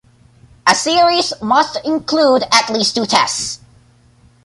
A series must include at least two Tests.